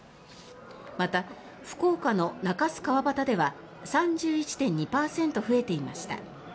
また、福岡の中洲川端では３１．２％増えていました。